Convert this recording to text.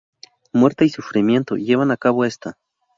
Muerte y sufrimiento llevan a cabo esta.